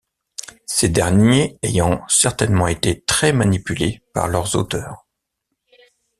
Ces derniers ayant certainement été très manipulés par leurs auteurs.